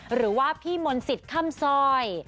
หรือว่าพี่มณศิษฐ์ข้ำซอย